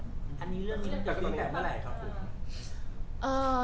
อันนี้เรื่องนี้เกิดไปตั้งแต่เมื่อไหร่ครับ